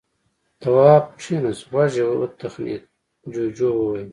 تواب کېناست. غوږ يې وتخڼېد. جُوجُو وويل: